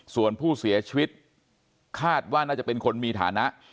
ส่วนผู้เสียชีวิตคาดว่าน่าจะเป็นคนมีฐานะ